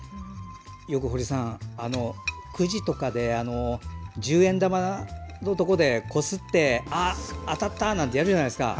よく、堀さんくじとかで十円玉でこすって当たった！なんてやるじゃないですか。